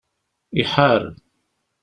Iḥar.